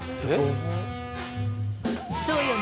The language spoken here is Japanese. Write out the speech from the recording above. そうよね？